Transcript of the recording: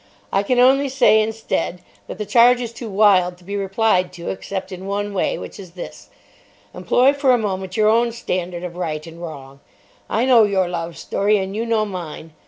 I can only say, instead, that the charge is too wild to be replied to except in one way, which is this. Employ for a moment your own standard of right and wrong. I know your love story, and you know mine.